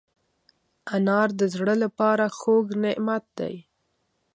انار د زړه له پاره خوږ نعمت دی.